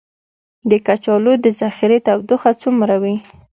د کچالو د ذخیرې تودوخه څومره وي؟